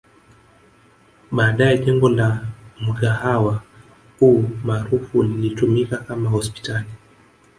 Baadae jengo la mgahawa huu maarufu lilitumika kama hospitali